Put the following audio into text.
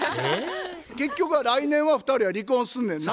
結局は来年は２人は離婚すんねんな？